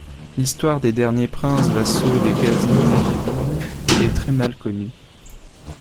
L’histoire des derniers princes, vassaux des Ghaznévides, est très mal connue.